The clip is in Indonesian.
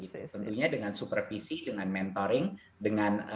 tentunya dengan supervisi dengan mentoring dengan